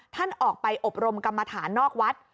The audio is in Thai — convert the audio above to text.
ท่านออกไปอบรมกรรมฐานนอกวัด